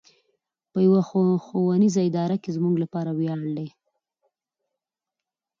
په يوه ښوونيزه اداره کې زموږ لپاره وياړ دی.